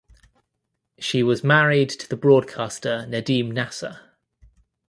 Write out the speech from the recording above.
She was married to the broadcaster Nadim Nasser.